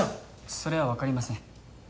それは分かりません。